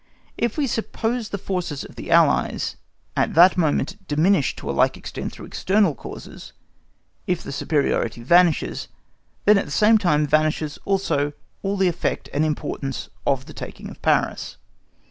If we suppose the forces of the Allies at that moment diminished to a like extent through external causes;—if the superiority vanishes, then at the same time vanishes also all the effect and importance of the taking of Paris.